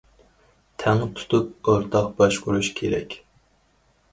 تەڭ تۇتۇپ، ئورتاق باشقۇرۇش كېرەك.